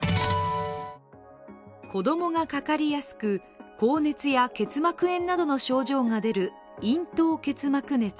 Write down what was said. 子供がかかりやすく、高熱や結膜炎などの症状が出る、咽頭結膜熱。